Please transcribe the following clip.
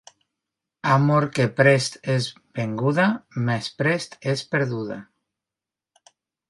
Amor que prest és venguda, més prest és perduda.